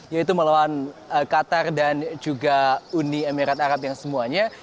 yaitu melawan qatar dan juga uni emirat arab yang semuanya